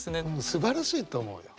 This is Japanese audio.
すばらしいと思うよ。